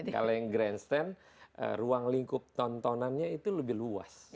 kalau yang grandstand ruang lingkup tontonannya itu lebih luas